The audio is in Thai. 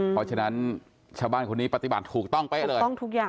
เพราะฉะนั้นชาวบ้านคนนี้ปฏิบัติถูกต้องไปเลย